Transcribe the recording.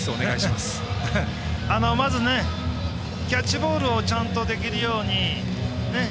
まず、キャッチボールをちゃんとできるようにね。